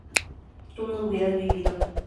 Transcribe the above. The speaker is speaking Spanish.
tú no hubieras vivido